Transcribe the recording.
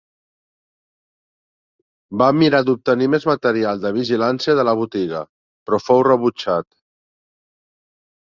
Va mirar d'obtenir més material de vigilància de la botiga, però fou rebutjat.